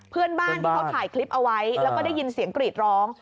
เพื่อนบ้านที่เขาถ่ายคลิปเอาไว้แล้วก็ได้ยินเสียงกรีดร้อง